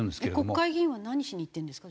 国会議員は何しに行ってるんですか？